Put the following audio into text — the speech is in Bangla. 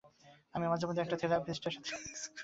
আমি মাঝেমধ্যেই একটা থিরাপিস্টের সাথে সেক্স করি।